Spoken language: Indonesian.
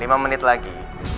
lima menit lagi